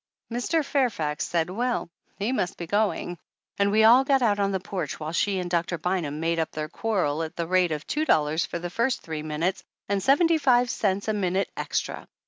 Mr. Fairfax said well, he must be going ; and we all got out on the porch while she and Doctor Bynum made up their quarrel at the rate of two dollars for the first three minutes and seventy five cents a minute extra.